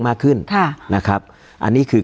การแสดงความคิดเห็น